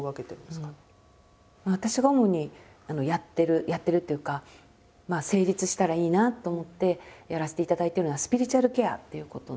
私が主にやってるやってるっていうかまあ成立したらいいなと思ってやらせていただいてるのは「スピリチュアルケア」っていうことなんですね。